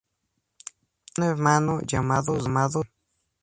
Tenía un hermano, llamado Ramón.